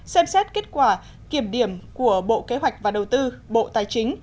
xem xét kết quả kiểm điểm của bộ kế hoạch và đầu tư bộ tài chính